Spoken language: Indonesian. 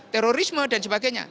terorisme dan sebagainya